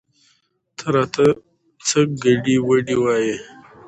ته راته څه ګډې وګډې وايې؟